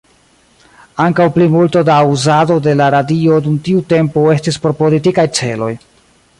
Ankaŭ plimulto da uzado de la radio dum tiu tempo estis por politikaj celoj.